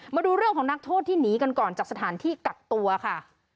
มาดูเรื่องของนักโทษที่หนีกันก่อนจากสถานที่กักตัวค่ะ